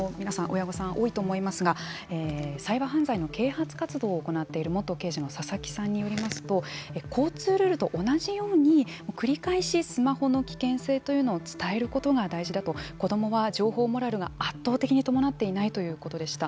親御さん、多いと思いますがサイバー犯罪の啓発活動を行っている元刑事の佐々木さんによりますと交通ルールと同じように繰り返しスマホの危険性というのを伝えることが大事だと子どもは情報モラルが圧倒的に伴っていないということでした。